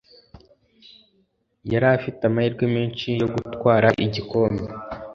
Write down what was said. yari afite amahirwe menshi yo gutwara igikombe